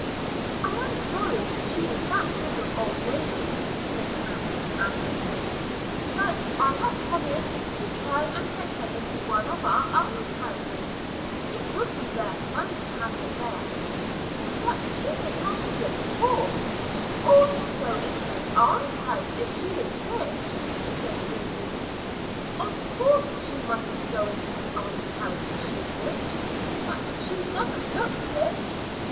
"I am sorry she is that sort of old lady," said Kathleen after a pause; "but I have promised to try and get her into one of our almshouses. It would be rare fun to have her there." "But she is not a bit poor. She oughtn't to go into an almshouse if she is rich," said Susy. "Of course she mustn't go into an almshouse if she is rich; but she doesn't look rich."